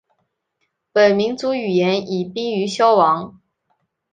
本民族语言已濒于消亡。